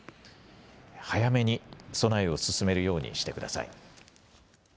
早めに備えを進めるようにしてください。